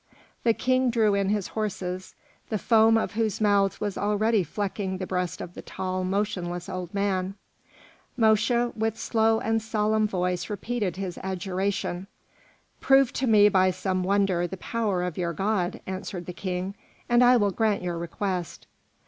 The king drew in his horses, the foam of whose mouths was already flecking the breast of the tall, motionless old man. Mosche, with slow and solemn voice repeated his adjuration. "Prove to me by some wonder the power of your god," answered the King, "and I will grant your request."